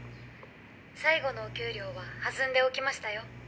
最後のお給料は弾んでおきましたよ。